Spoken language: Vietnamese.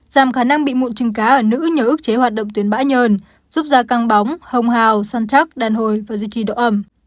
giảm khả năng bị mụn trứng cá ở nữ nhờ ước chế hoạt động tuyến bã nhờn giúp da căng bóng hồng hào săn chắc đàn hồi và duy trì độ ẩm